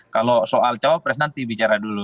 kalau soal cawapres nanti bicara dulu